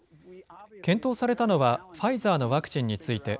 検討されたのは、ファイザーのワクチンについて。